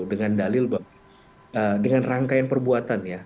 dengan dalil dengan rangkaian perbuatan ya